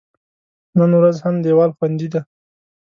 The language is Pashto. نن ورځ هم دیوال خوندي دی.